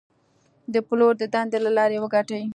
د پلور د دندې له لارې وګټئ.